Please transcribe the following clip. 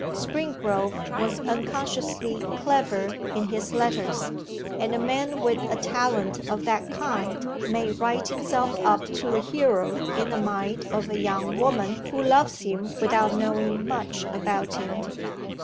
Springrove was unconsciously clever in his letters, and a man with a talent of that kind may write himself up to a hero in the mind of a young woman who loves him without knowing much about him.